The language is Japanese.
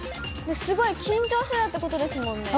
すごい緊張してたってことですもんね。